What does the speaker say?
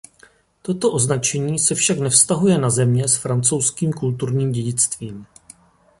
Toto označení se však nevztahuje na země s francouzským kulturním dědictvím.